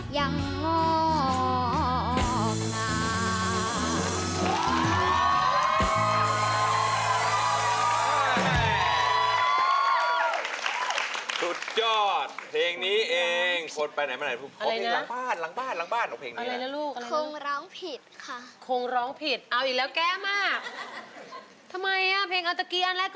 ยังงอกลา